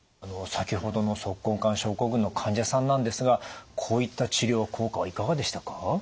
先ほどの足根管症候群の患者さんなんですがこういった治療効果はいかがでしたか？